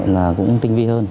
là cũng tinh vi hơn